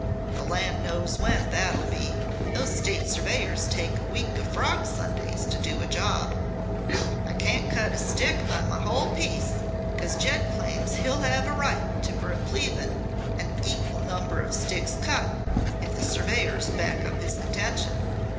The land knows when that'll be! Those state surveyors take a week of frog Sundays to do a job. "I can't cut a stick on my whole piece 'cause Ged claims he'll have a right to replevin an equal number of sticks cut, if the surveyors back up his contention.